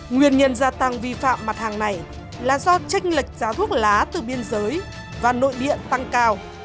nguyên nhân gia tăng vi phạm mặt hàng này là do tranh lệch giá thuốc lá từ biên giới và nội địa tăng cao